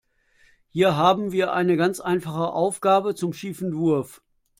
Hier haben wir eine ganz einfache Aufgabe zum schiefen Wurf.